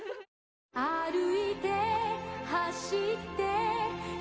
「歩いて走って」